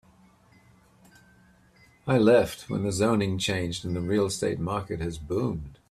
I left when the zoning changed and the real estate market has boomed.